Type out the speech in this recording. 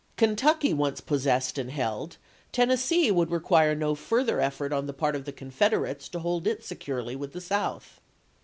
Kentucky once possessed and held, Tennessee would require no further effort on the part of the Confederates to hold it securely with the South.